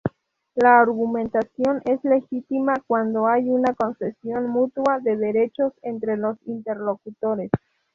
La argumentación es legítima cuando hay una concesión mutua de derechos entre los interlocutores.